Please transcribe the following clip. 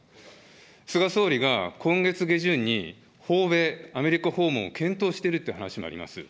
菅総理が今月下旬に訪米、アメリカ訪問を検討しているという話もあります。